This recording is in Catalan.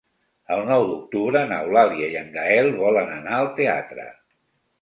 El nou d'octubre n'Eulàlia i en Gaël volen anar al teatre.